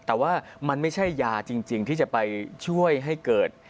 แต่ว่ามันไม่ใช่ยาจริงที่จะไปช่วยให้เกิด